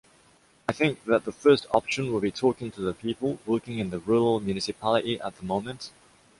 I think that the first option would be talking to the people working in the rural municipality at the moment.